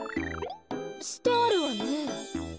してあるわね。